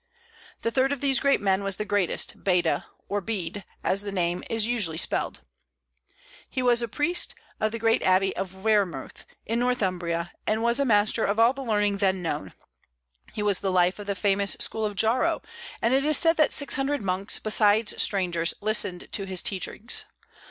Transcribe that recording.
The third of these great men was the greatest, Baeda, or Bede, as the name is usually spelled. He was a priest of the great abbey church of Weremouth, in Northumbria, and was a master of all the learning then known. He was the life of the famous school of Jarrow, and it is said that six hundred monks, besides strangers, listened to his teachings.